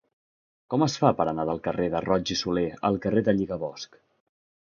Com es fa per anar del carrer de Roig i Solé al carrer del Lligabosc?